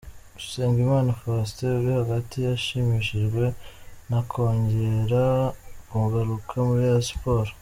Usengimana Faustin uri hagati yashimishijwe no kongera kugaruka muri Rayon Sports.